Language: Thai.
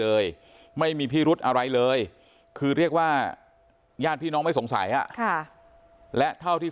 เลยไม่มีพิรุธอะไรเลยคือเรียกว่าญาติพี่น้องไม่สงสัยและเท่าที่